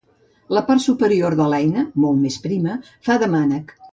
La part superior de l'eina, molt més prima, fa de mànec.